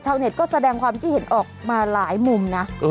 เน็ตก็แสดงความคิดเห็นออกมาหลายมุมนะ